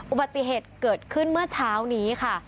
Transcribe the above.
อุบัติเหตุเกิดขึ้นเมื่อเช้านี้ค่ะ